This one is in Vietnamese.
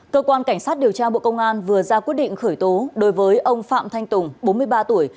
cơ quan cảnh sát điều tra bộ công an vừa ra quyết định khởi tố đối với ông phạm thanh tùng bốn mươi ba tuổi